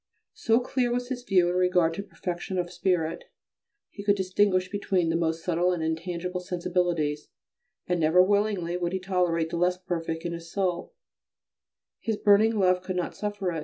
So clear was his view in regard to perfection of spirit that he could distinguish between the most subtle and intangible sensibilities, and never willingly would he tolerate the less perfect in his soul; his burning love could not suffer it.